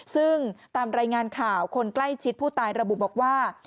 ซึ่งตามรายงานข่าวคนใกล้ชิดผู้ตายระบุบอกว่า